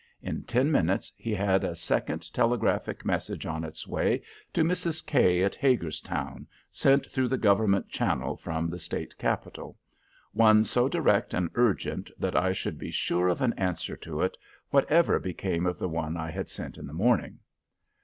In ten minutes he had a second telegraphic message on its way to Mrs. K at Hagerstown, sent through the Government channel from the State Capitol, one so direct and urgent that I should be sure of an answer to it, whatever became of the one I had sent in the morning.